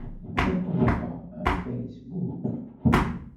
Tatoeba am Facebook?